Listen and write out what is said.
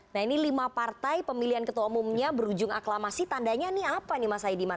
nah ini lima partai pemilihan ketua umumnya berujung aklamasi tandanya ini apa nih mas saidiman